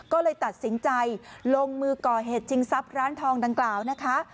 ก็เลยตัดสินใจลงมือก่อเหตุชิงทรัพย์ร้านทองดังกล่าวนะคะ